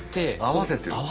合わせてる。